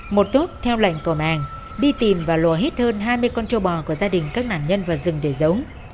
một tốt theo lệnh cổ màng đi tìm và lùa hết hơn hai mươi con trâu bò của gia đình các nạn nhân vào rừng để giấu